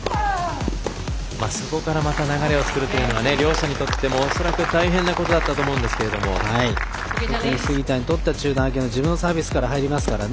そこからまた流れを作るというのは両者にとっても恐らく大変なことだったと特に杉田にとっては中断明け自分のサービスから入りますから。